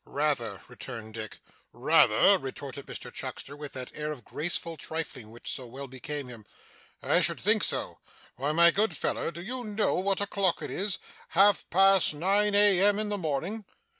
'Rather,' returned Dick. 'Rather!' retorted Mr Chuckster, with that air of graceful trifling which so well became him. 'I should think so. Why, my good feller, do you know what o'clock it is half past nine a.m. in the morning?